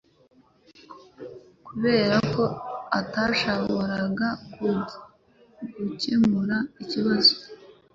Kubera ko atashoboraga gukemura ikibazo